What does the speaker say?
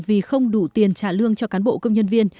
vì không đủ tiền trả lương cho cán bộ công nhân viên